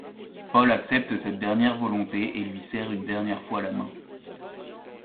Paul accepte cette dernière volonté et lui serre une dernière fois la main.